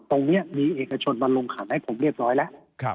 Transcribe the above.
ตรงนี้มีเอกชนมาลงขันให้ผมเรียบร้อยแล้ว